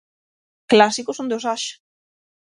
Clásicos onde os haxa.